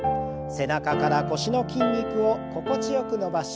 背中から腰の筋肉を心地よく伸ばし